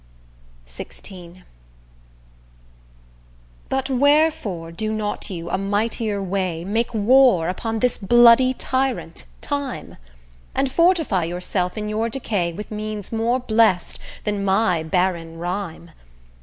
XVI But wherefore do not you a mightier way Make war upon this bloody tyrant, Time? And fortify yourself in your decay With means more blessed than my barren rhyme?